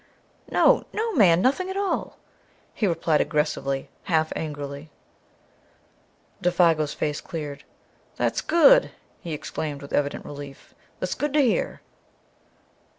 "No, no, man; nothing at all!" he replied aggressively, half angrily. Défago's face cleared. "That's good!" he exclaimed with evident relief. "That's good to hear."